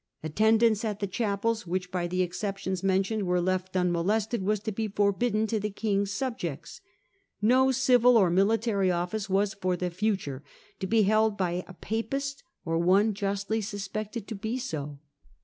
Attendance at the chapels which by the exceptions mentioned were left unmolested was to be forbidden to the King's sub jects. No civil or military office was for the future to be held by a Papist, or one 'justly suspected' to be so.